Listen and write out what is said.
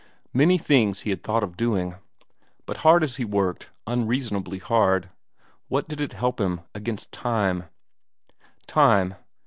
Many things he had thought of doing. But hard as he worked, unreasonably hard what did it help against time?